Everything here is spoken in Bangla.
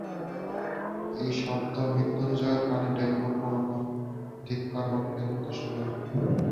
এই শব্দ মৃত্যুঞ্জয়ের কানে ব্যঙ্গপূর্ণ ধিক্কারবাক্যের মতো শুনাইল।